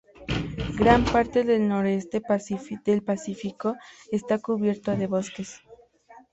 Gran parte del Noroeste del Pacífico está cubierto de bosques.